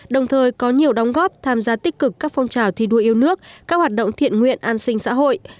đồng thời có nhiều đóng góp tham gia tích cực các phong trào thi đua yêu nước các hoạt động thiện nguyện an sinh xã hội